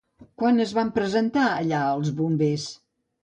Quan es van presentar allà, els bombers?